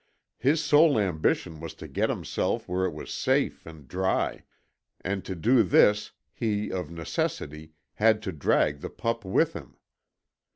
His sole ambition was to get himself where it was safe and dry, and to do this he of necessity had to drag the pup with him.